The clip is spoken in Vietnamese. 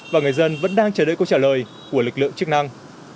và người dân vẫn đang chờ đợi câu trả lời của lực lượng chức năng